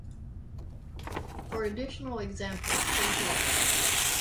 For additional examples, see here.